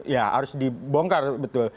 ya harus dibongkar betul